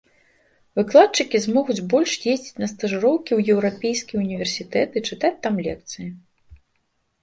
Выкладчыкі змогуць больш ездзіць на стажыроўкі ў еўрапейскія ўніверсітэты, чытаць там лекцыі.